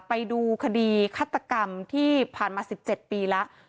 ไปดูคดีฆาตกรรมที่ผ่านมา๑๗ปีแล้ว